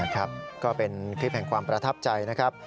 ก็เป็นคลิปแห่งความประทับใจนะครับ